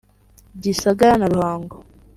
Gisagara na Ruhango